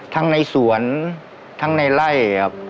ทั้งในสวนทั้งในไล่ครับ